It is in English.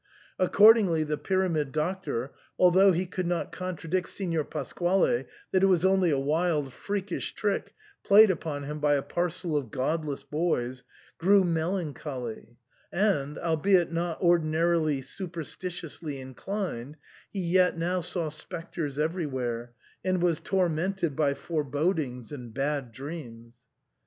Accordingly the Pyramid Doctor, although he could not contradict Signor Pasquale that it was only a wild freakish trick played upon him by a parcel of godless boys, grew melancholy ; and, albeit not ordinarily superstitiousl^ inclined, he yet now saw spectres ever3rwhere, and was tormented by forebodings and bad dreams.